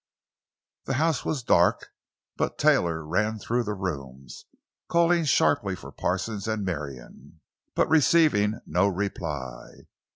The house was dark, but Taylor ran through the rooms, calling sharply for Parsons and Marion, but receiving no reply.